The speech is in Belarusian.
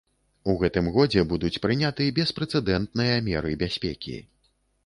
У гэтым годзе будуць прыняты беспрэцэдэнтныя меры бяспекі.